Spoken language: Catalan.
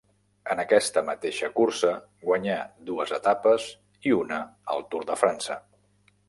En aquesta mateixa cursa guanyà dues etapes i una al Tour de França.